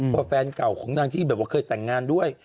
เพราะแฟนเก่าของนางที่เคยแต่งงานด้วย